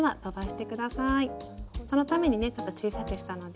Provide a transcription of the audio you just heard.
そのためにねちょっと小さくしたので。